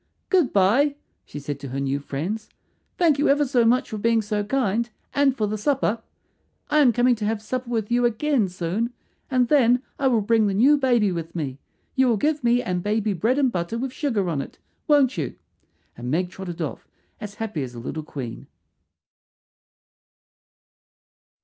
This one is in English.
"Good bye," she said to her new friends. "Thank you ever so much for being so kind, and for the supper. "I am coming to have supper with you again soon, and then I will bring the new baby with me. You will give me and baby bread and butter with sugar on it, won't you?" and Meg trotted off as happy as a little queen.